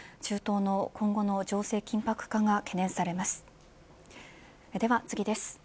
中東の今後の情勢緊迫化が懸念されます。